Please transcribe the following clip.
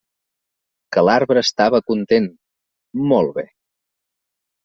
Que l'arbre estava content..., molt bé!